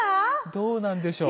どうなんでしょう？